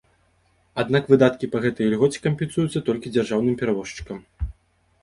Аднак выдаткі па гэтай ільгоце кампенсуюцца толькі дзяржаўным перавозчыкам.